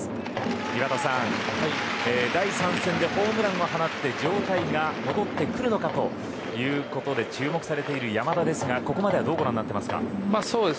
井端さん、第３戦でホームランを放って状態が戻ってくるのかということで注目されている山田ですがここまでどうご覧になっていますか？